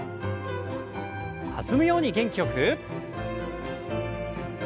弾むように元気よく。